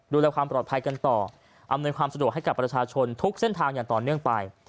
ดูแลความปลอดภัยกันต่ออำนวยความสะดวกให้กับประชาชนทุกเส้นทางอย่างต่อเนื่องไป